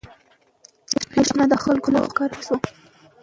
برېښنا د خلکو له خوا وکارول شوه.